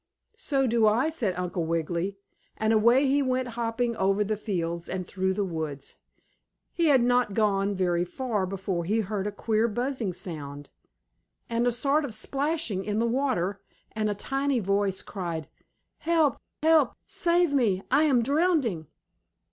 "So do I," said Uncle Wiggily, and away he went hopping over the fields and through the woods. He had not gone very far before he heard a queer buzzing sound, and a sort of splashing in the water and a tiny voice cried: "Help! Help! Save me! I am drowning!"